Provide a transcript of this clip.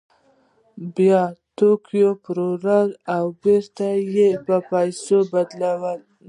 بیا توکي پلوري او بېرته یې په پیسو بدلوي